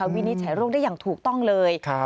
วินิจฉัยโรคได้อย่างถูกต้องเลย